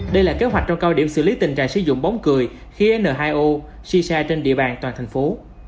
đây là kế hoạch trong cao điểm xử lý tình trạng sử dụng bóng cười khí n hai o si xa trên địa bàn toàn thành phố